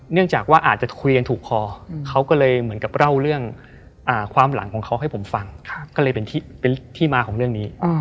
เนื่องจากว่าอาจจะคุยกันถูกคอเขาก็เลยเหมือนกับเล่าเรื่องความหลังของเขาให้ผมฟังก็เลยเป็นที่มาของเรื่องนี้